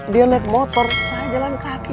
dia naik motor saya jalan kaki